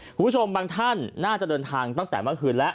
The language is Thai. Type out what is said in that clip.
คุณผู้ชมบางท่านน่าจะเดินทางตั้งแต่เมื่อคืนแล้ว